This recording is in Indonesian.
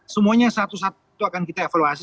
semuanya satu satu itu akan kita evaluasi